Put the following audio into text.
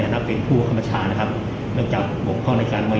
หลังนี้อาหารยายต้องกลับด้วย